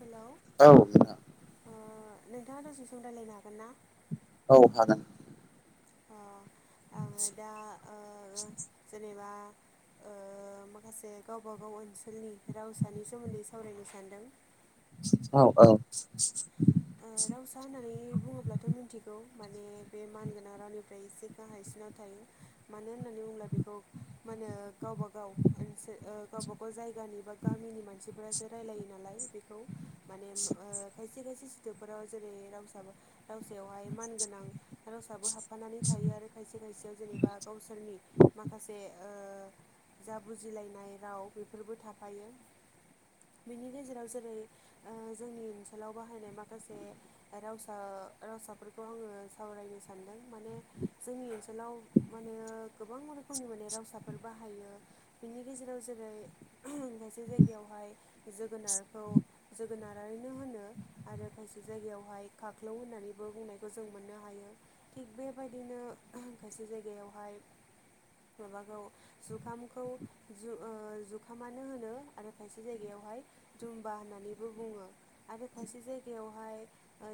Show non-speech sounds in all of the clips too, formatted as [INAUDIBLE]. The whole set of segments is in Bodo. हेलौ औ। ओ नोंथाङा दसे सम रायलायनो हागोन ना? औ हागोन। ओ आङो दा ओ जेनेबा ओ माखासे गावबागाव ओनसोलनि रावसानि सोमोन्दै सावरायनो सानदों। औ औ। रावसा होननानै बुङोब्लाथ' मिथिगौ माने बे मानगोनां रावनिफ्राय एसे गाहायसिनाव थायो मानो होननानै बुङोब्ला बेखौ मा होनो गावबा गाव मोनसे गावबा गाव जायगानि बा गामिनि मानसिफोरासो रायलायो नालाय बेखौ माने ओ खायसे खायसे सोदोबफोराव जेरै रावहिसाबै बेवहाय मानगोनां रसाबो हाबफानानै थायो आरो खायसे खायसेयाव जेनेबा गावसोरनि माखासे जा बुजिलायनाय राव बेफोरबो थाफायो। बेनि गेजेराव जेरै जोंनि ओनसोलाव बाहायनाय मा माखासे रावसा रावसाफोरखौ आङो सावरायनो सानदों माने जोंनि आनसोलाव माने गोबां रोखोमनि माने रावसाफोर बाहायो बिनि गेजेराव जेरै खायसे जायगायावहाय जोगोनारखौ जोगोनारारिनो होनो। आरो खायसे जायगायावहाय खाख्लौ होननानैबो बुंनायखौ जों मोननो हायो थिग बेबायदिनो खायसे जायगायावहाय माबाखौ जुखामखौ जुखामानो होनो आरो खायसे जायगायाव हाय दुम्बा होन्नानै बो बुङो आरो खायसे जाय बेवहाय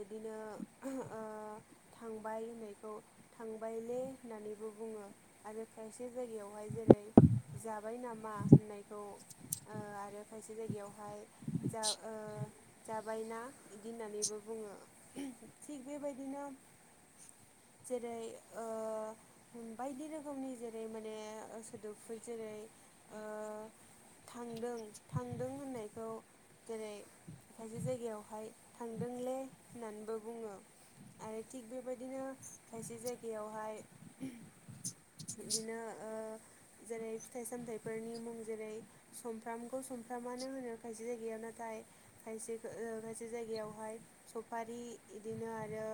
बिदिनो ओ थांबाय होननायखौ थांबाय दे होननानैबो बुङो आरो खायसे जायगायावहाय जेरै जाबाय नामा होननाय खौ आरो खायसे जायगायावहाय जा जाबायना? बिदि होननानैबो बुङो थिग बेबायदिनो जेरै ओ बायदि रोखोमनि जेरै माने सोदोबफोर जेरै ओ थांदों थांदों होननायखौ जेरै खायसे जायगायावहाय थांदोंलै होननानैबो बुङो। आरो थिग बेबायदिनो खायसे जायगायावहाय बिदिनो ओ जेरै फिथाइ सामथायाइफोरनि मुं जेरै सुमफ्रामखौ स म्फ्रामानो होनो खायसे जायगायाव नाथाय खायसे मोनसे जायगायावहाय सफारि बिदिनो आरो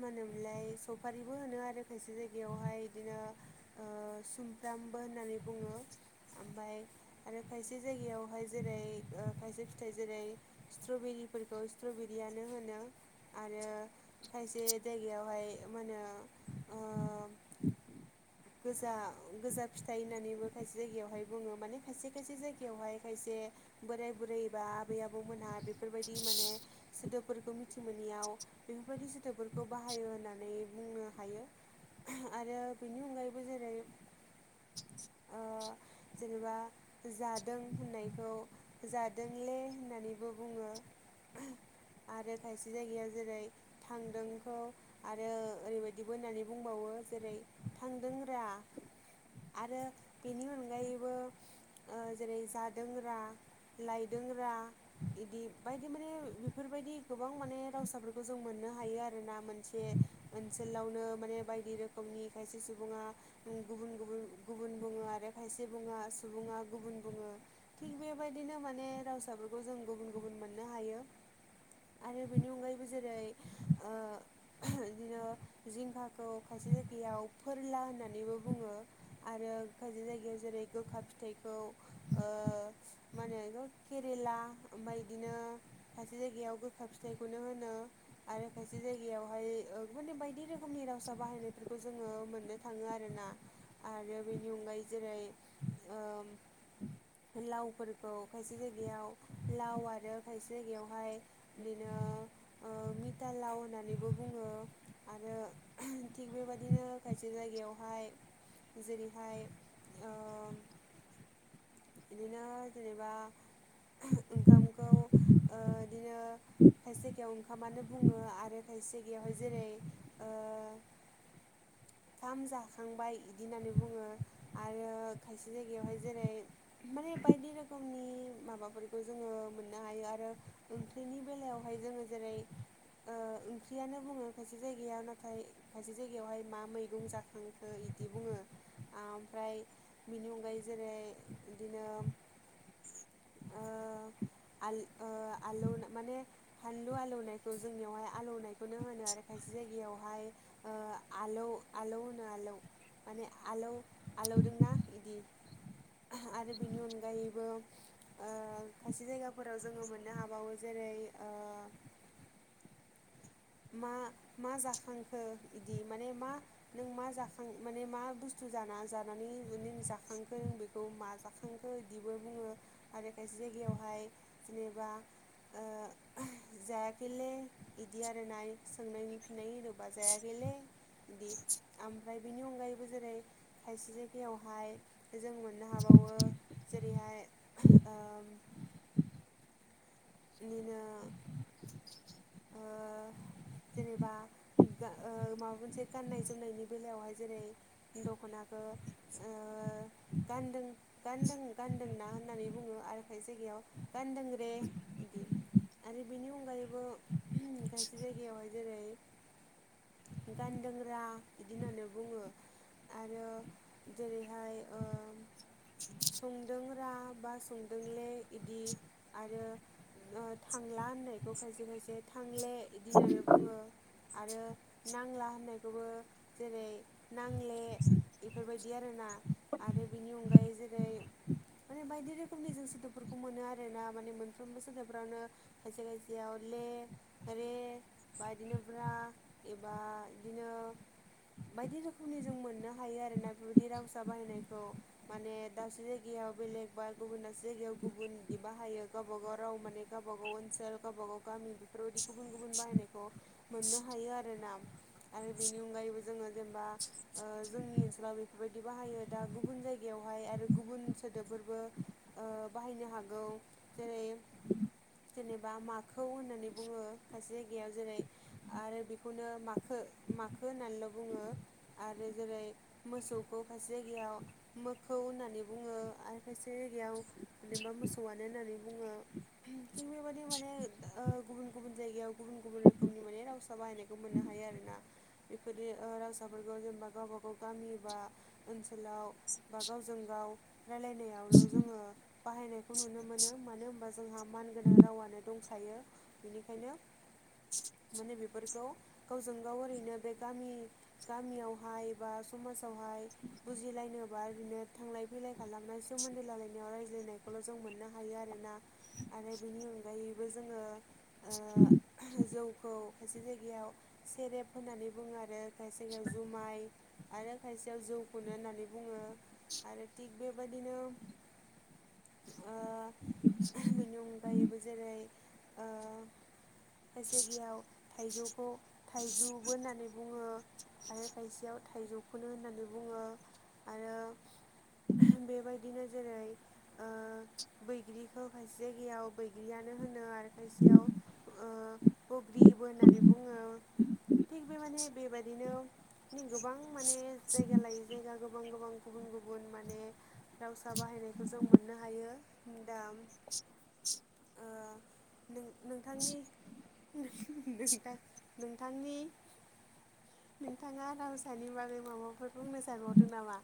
मा होनोमोनलाय सफारिबो होनो आरो खायसे जायगायावहाय बिदिनो सु म्फ्रामबो होननानै बुङो। आमफाय आरो खायसे जायगायावहाय जेरै खायसे फिथाइ जेरै स्ट्रबेरिफोरखौ स्ट्रबेरियानो होनो आरो खायसे जायगायावहाय माहोनो ओ गोजा गोजा फिथाइ होननानैबो खायसे जायगायावहाय बुङो माने खायसे खायसे जायगायावहाय खायसे बोराय बुरैबा आबै आबौमोनहा बेफोरबायदि माने सोदोबफोरखौ मिथिमोनैयाव बेफोरबायदि सोदोबफोरखौ बाहायो होननानै बुंनो हायो। आरो बेनि अनगायैबो जेरै [UNINTELLIGIBLE] ओ [INAUDIBLE] जेनेबा जादों होननायखौ जादोंले होननानैबो बुङो। आरो खायसे जायगायाव जेरै थांदोंखौ आरो ओरैबायदिबो होननानै बुंबावो ज जेरै- थांदों रा आरो बेनि अनगायैबो ओ जेरै जादोंरा, लायदोंरा इदि बायदि माने बेफोरबायदि गोबां माने रावसाफोरखौ जों मोननो हायो आरोना मोनसे ओनसोलावनो माने बायदि रोखोमनि खायसे सुबुङा गुबुन - गुबुन- गुबुन आरो खायसे बुङा सुबुङा गुबुन बुङो थिग बेबायदिनो माने रावसाफोरखौ जों गुबुन गुबुन मोननो हायो। आरो बेनि अनगायैबो जेरै ओ बिदिनो जिंखाखौ खायसे याव फोरला होननानैबो बुङो आरो खायसे जायगायाव जेरै गोखा फिथाइखौ ओ मा होनो एखौ केरेला ओमफाय बिदिनो खायसे जायगायाव गोखा फिथाइखौनो होनो आरो खायसे जायगायावहाय ओ बायदि रोखोमनि रावसा बाहायनायफोरखौ जों जोङो मोननो थाङो आरोना आरो बेनि अनगायै जेरै- ओ लावफोरखौ खायसे जायगायाव लाव आरो खायसे जायगायावहाय बिदिनो ओ मिता लाव होननानैबो बुङो ओ आरो थिग बेबादिनो खायसे जायगायावहाय जेरैहाय ओ बिदिनो जेनेबा ओंखामखौ ओ बिदिनो खायसे गायाव ओंखामानो बुङो आरो खायसेगायावहाय जेरै ओ [INAUDIBLE] खाम जाखांबाय बिदि होननानै बुङो आरो खायसे जायगायावहाय जेरै माने बायदि रोखोमनि माबाफोरखौ जोङो मोननो हायो आरो ओंख्रिनि बेलायावहाय जोङो जेरै ओ ओंख्रियानो बुङो खायसे जायगायाव नाथाय खायसे जायगायावहाय मा मैगं जाखांखो बिदि बुङो आमफ्राय बिनि अनगायै जेरै बिदिनो ओ आल ओ आलौ माने फानलु आलौनायखौ जोंनियावहाय आलौनाय खौनो होनो आरो खायसे जायगायावहाय आलौ आलौ होनो आलौ माने आलौ आलौदोंना बिदि आरो बेनि अनगायैबो ओ खायसे जायगाफोराव जोङो मोननो हाबावो जेरै ओ मा मा जाखांखो बिदि माने मा नों मा जाखां माने मा बुस थु जाना जानानै नों जाखांखो बेखौ मा जाखांखो बिदिबो बुङो आरो खायसे जायगायावहाय जेनेबा ओ जायाखैलै इदि आ रोना सोंनायनि फिनाय होनोबा जायाखैलै बिदि आमफ्राय बेनि अनगायैबो जेरै खायसे जायगायावहाय जों मोननो हाबावो जेरैहाय ओ बिदिनो ओ जेनेबा इ गा ओ माबा मोनसे गाननाय जोमनायनि बेलायावहाय जेरै दख'ना ओ ओ गानदों गान्दों गान्दोंना होननानै बुङो आरो जायगायाव गान्दों रे बिदि आरो बेनि अनगायैबो खायसे जायगायावहाय जेरै गानदोंरा बिदि होननानै बुङो आरो जेरैहाय ओ संदों रा बा संदोंलै बिदि आरो ओ थांला होननाय ककझस थां [INAUDIBLE] आरो नांला होननायखौबो जेरै नांले बेफोरबायदि आरोना आरो बिनि अनगायै जेरै माने बायदि रोखोमनि जों सोदोबफोरखौ मोनो आरोना माने मोन फ्रोमबो सोदोबफ्रावनो खायसे खायसेयाव ले, रे, बादिनो ब्रा एबा बिदिनो बायदि रोखोमनि जों मोननो हायो आरोना बेबायदि रावसा बाहायनायखौ माने दाबसे जायगाया याव बेलेग बा गुबुनसे जायगायाव गुबुन बिदि बाहायो गावबा गाव राव माने गावबाागाव ओनसोल गावब गाव गामि बेफोरबायदि गुबुन गुबुन बाहायनायखौ मोननो हायो हायो आरोना आरो बेनि अनगायैबो जोङो जेनेबा ओ जोंनि ओनसोलाव बेफोरबायदि बाहायो दा गुबुन जायगायाव हाय आरो गुबुन सोदोबफोरबो ओ बाहायनो हागौ जेरै जेनेबा माखौ होननानै बुङो खायसे जायगायाव जेरै आरो बेखौनो माखै माखो होननानैल' बुङो आरो जेरै मोसौखौ खायसे जायगायाव मोखौ होननानै बुङो आरो खायसे जायगायाव जेनबा मोसौआ नो होननानै बुङो थिग बेबायदि माने ओ गुबुन गुबुन जायगायाव गुबुन गुबुन रोखोमनि माने बे रावसा बाहायनायखौ मोननो हायो आरोना बेफोर रावसाफोरखौ जेनेबा गावब गाव गामि बा ओनसोलाव बा गावजों गाव रायलायनायावल' जोङो बाहायनायखौ नुनो मोनो मानो होनबा जोंहा मान गोनां रावानो दंखायो बेनिखायनो माने बेफोर खौ गावजों गाव ओरैनो बे गामि गामियावहाय बा समाजावहाय बुजिलायनो बा इदिनो थांलाय फैलाय खालामनाय सोमोन्दै लालायनायाव रायज्लायनायखौल' जों मोननो हायो आरोना आरो बेनि अनगायै बो जोङो ओ [INAUDIBLE] जौखौ खायसे जायगायाव सेरेब होननानै बुङो आरो खायसे जायगायाव जुमाय आरो खायसेयाव जौखौनो होननानै बुङो आरो थिग बेबायदिनो ओ बेनि अनगायैबो जेरै ओ जाय जायगायाव थाइजौखौ थाइजौबो होननानै बुङो। आरो खायसेयाव थाइजौखौनो होननानै बुङो आरो बेबायदिनो जेरै ओ बैग्रिखौ खायसे जायगायाव बैग्रियानो होनो आरो खायसेयाव ओ बग्रि बो होननानै बुङो। थिग बे माने बेबायदिनो गोबां माने जायगा लायै जायगा गोबां गोबां गुबुन गुबुन माने दावसा बाहायनायखौ जों मोननो हायो दा [INAUDIBLE] ओ नों-नोंथांनि नोंथां नोंथांनि नोंथाङा रावसानि बागै माबाफोर बुंनो सानबावदों नामा?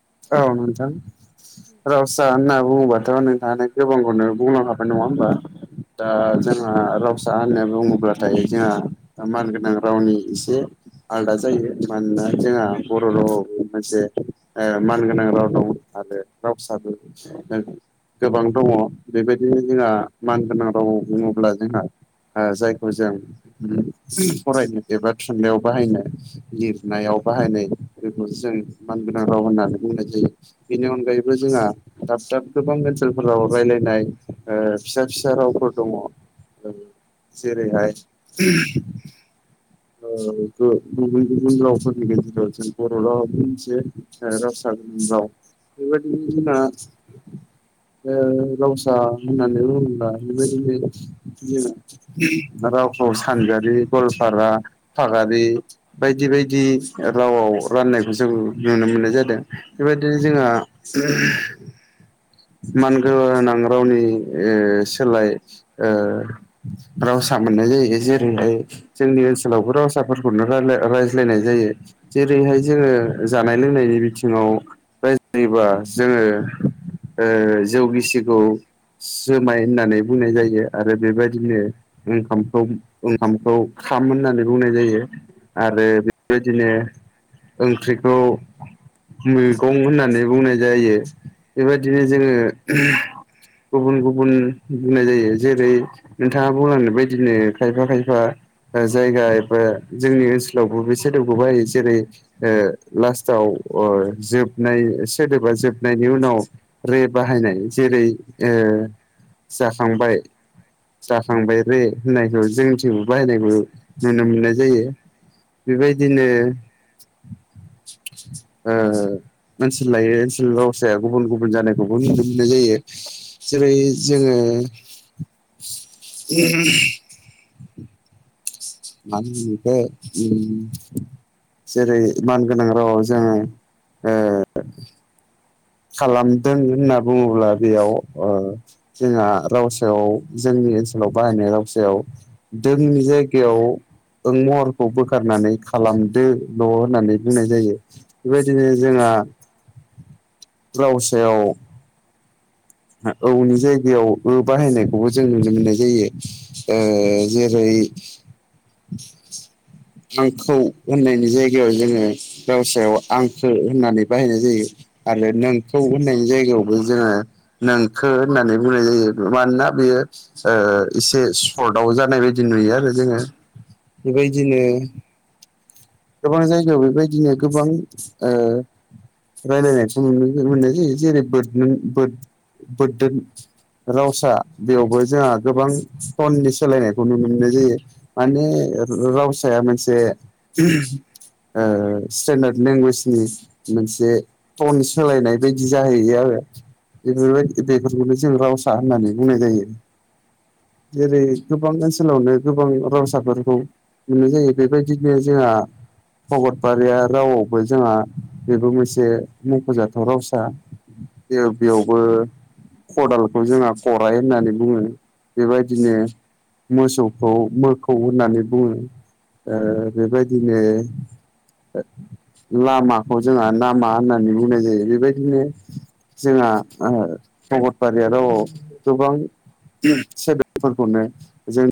[INAUDIBLE] औ नोंथां रसा होनना बुङोबाथ' नोंथाङा गोबांखौनो बुंलां हाबाय नङा होमबा? दा जोंहा रावसा होनो बुङोब्लाथाय जोंहा मानगोनां रावनि एसे आलादा जायो मानोना जोंहा बर' रावआव मोनसे मानगोनां राव दं आरो राव फिसाबो नो गोबां दङ बेबायदिनो जोंहा मानगोनां राव बुङोब्ला जोंहा जायखौ जों फरायनो एबा थुनलाइयाव बाहायनो लिरनायाव बाहायनाय बेखौ जों बानदो राव होननानै बुंनाय जायो बेनि अनगायैबो जोंहा दाब दाब गोबां ओनसोलफोराव राय्लायनाय ओ फिसा फिसा रावफोर दङ। जेरै हाय ओ गुबुन गुबुन रावफोरनि गेजेराव जों बर' राव मोनसे ओ रावसार राव बेबायदिनो दिना ओ रावसा होननानै बुंङोब्ला बेबायदिनो रावखौ सानजारि गालपारा फागारि बायदि बायदि रावआव बाननायखौ जों नुनो मोन्नाय जादों बेबायदिनो जोंहा मानगोनां रावनि ओ सोलाय ओ रावसा नाय ज जेरैहाय जोंनि ओनसोलावबो रावसाफोरखौनो रायज्लायनाय जायो जेरै ओरैहाय जोङो जानाय लोंनायनि बिथिङाव रायज्लायोबा जोङो ओ जौ गिसिखौ जोमाय होननानै बुंनाय जायो आरो बेबायदिनो ओंखामखौ ओंखामखौ खाम होननानै बुंनाय जायो आरो बेबायदिनो ओंख्रिखौ मैगं होननानै बुंनाय जायो। बेबायदिनो जोङो गुबुन गुबुन बुंनाय जायो जेरै नोंथाङा बुंलांनाय बायदिनो खायफा खायफा जायगा एबा जोंनि ओनसोलावबो बेे साइडाव गो बायो जेरै लास्टाव जोबनाय सोदोबा जोबनायनि उनाव रे बाहायनाय जेरै जाखांबाय जाखांबाय रे होननायखौ जोंथि बाहायनायबो नुनो मोननाय जायो बेबायदिनो ओ ओनसोल लायै ओनसोलनि रावसाया गुबुन गुबुन गुबुन जानायखौबो नुनो मोननाय जायो जेरै जोङो [UNINTELLIGIBLE] मा होनो बेखो उम जेरै मानगोनां रावाव जों खालामदों होनना बुङोब्ला बेयाव जोंहा राव सायाव जों जोंनि ओनसोलाव बाहायनाय रावसायाव जोंनि जायगायाव महरखौ बोखारनानै खालामदो न' होननानै बुंनाय जायो बेबायदिनो जोंहा [UNINTELLIGIBLE] गावसायाव औनि जायगायाव ओ बाहायनायखौबो जों नुनो मोननाय जायो जेरै [UNINTELLIGIBLE] आंखौ होननायनि जायगायाव जोङो गावसायाव आंखो होननानै बाहायनाय जायो आरो नोंखौ होननायनि जायगायावबो जोङो नोंखो होननानै बुंनाय जायो मानोना बेयो एसे सर्टआव जानाय बायदि नुयो गया आरो जोङो [INAUDIBLE] बेबायदिनो गोबां जायगायाव बेबायदिनो गोबां रायलायनायखौ मोननाय जायो जेरै बदोन रावसा बेयावबो जोंहा गोबां टननि सोलायनायखौ नुनो मोननाय जायो माने रावसाया मोनसे ओ स्टेन्डार्ड लेंगुवेजनि मोनसे टन सोलायनाय बायदि जाहैयो आरो बेफोरबायदि बेफोरखौनो जों रावसा होननानै बुंनाय जायो [INAUDIBLE] जेरै गोबां ओनसोलावनो गोबां रावसाफोरखौ नुनाय जायो बेबायदिनो जोंहा भगतबारिया रावआवबो जोंहा बेबो मोनसे मखजाथाव रावसा बे बेयावबो खदालखौ जोंहा खराइ होननानै बुङो बेबायदिनो मोसौखौ मोखौ होननानै बुङो ओ बेबायदिनो लामाखौ जोंहा नामा होननानै बुंनाय जायो बेबायदिनो जोंहा भगतबारिया रावाव गोबां सोदोबफोरखौनो जों